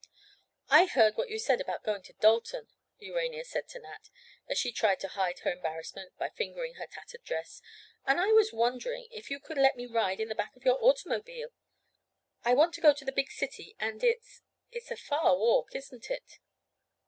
"I heard what you said about going to Dalton," Urania said to Nat, as she tried to hide her embarrassment by fingering her tattered dress, "and I was wondering if you could let me ride in the back of your automobile. I want to go to the big city and it's—it's a far walk—isn't it?"